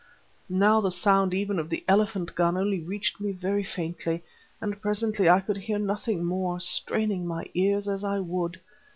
Now the sound even of the elephant gun only reached me very faintly, and presently I could hear nothing more, straining my ears as I would.